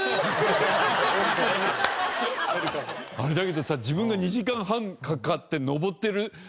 あれだけどさ自分が２時間半かかって上ってる